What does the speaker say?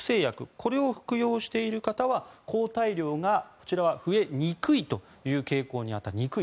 これを服用している方は抗体量がこちらは増えにくいという傾向にあった。